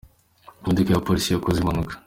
Imodoka ya Polisi yakoze impanuka